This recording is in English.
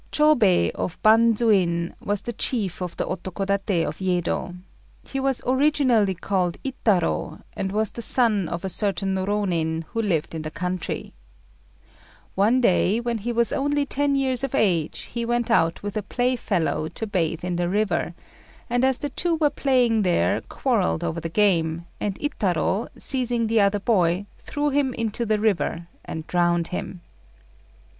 Chôbei of Bandzuin was the chief of the Otokodaté of Yedo. He was originally called Itarô, and was the son of a certain Rônin who lived in the country. One day, when he was only ten years of age, he went out with a playfellow to bathe in the river; and as the two were playing they quarrelled over their game, and Itarô, seizing the other boy, threw him into the river and drowned him.